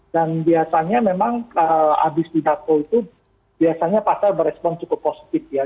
dan biasanya memang abis pidato itu biasanya pasar berespon cukup positif ya